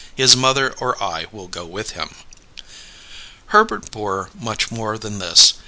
His mother or I will go with him." Herbert bore much more than this.